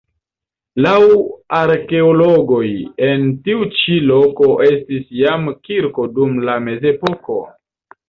Laŭ arkeologoj en tiu ĉi loko estis jam kirko dum la mezepoko.